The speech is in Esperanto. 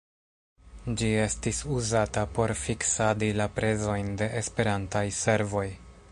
Ĝi estis uzata por fiksadi la prezojn de Esperantaj servoj.